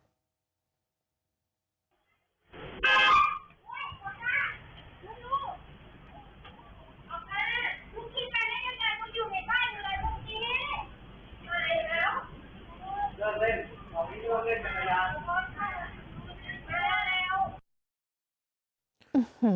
กลับนี้